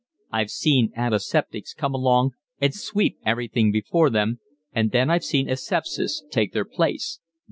"I've seen antiseptics come along and sweep everything before them, and then I've seen asepsis take their place.